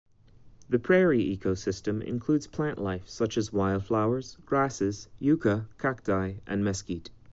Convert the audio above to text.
The prairie ecosystem includes plant life such as wildflowers, grasses, yucca, cacti, and mesquite.